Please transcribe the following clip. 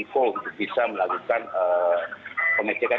itu bisa melakukan pengejaran